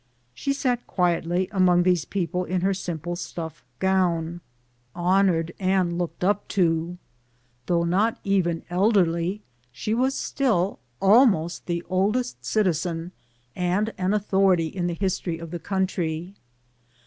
She sat quietly among these people in her simple stuff gown, honored and looked up to. Though not even elderly, she was still almost the oldest citizen and an authority in the history of the country.